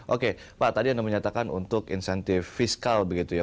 oke pak tadi anda menyatakan untuk insentif fiskal begitu ya